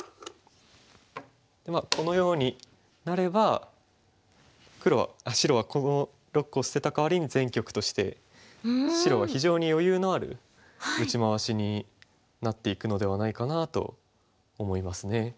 まあこのようになれば白はこの６個を捨てたかわりに全局として白は非常に余裕のある打ち回しになっていくのではないかなと思いますね。